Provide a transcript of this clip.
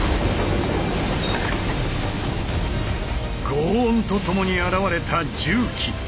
ごう音と共に現れた重機！